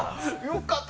良かった！